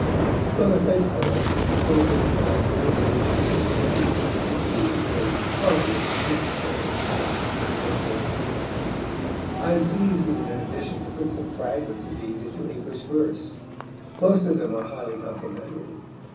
From the French poets, Moncrif collects a good many curious tributes to the "harmless, necessary cat." I am seized with an ambition to put some fragments of these into English verse. Most of them are highly complimentary.